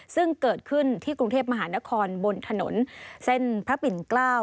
ซึ่งเกิดขึ้นที่กรุงเทพมหานครบนถนนเส้นพระปิ่นเกล้า